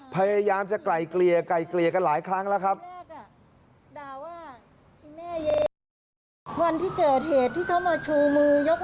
พยายามจะไกลเกลียกันหลายครั้งแล้วครับ